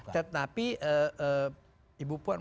tetapi ibu puan